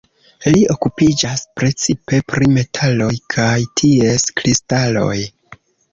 Li okupiĝas precipe pri metaloj kaj ties kristaloj.